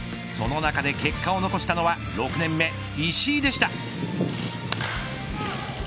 その中で結果を残したのは６年目、石井でした。